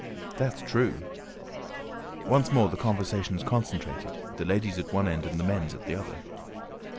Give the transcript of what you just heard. "That's true!" Once more the conversations concentrated, the ladies' at the one end and the men's at the other.